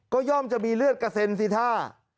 ก็ย่อมจะมีเลือดกระเซ็นสิท่า